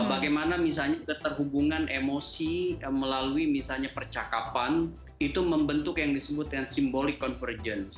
bagaimana misalnya keterhubungan emosi melalui misalnya percakapan itu membentuk yang disebutkan symbolic convergence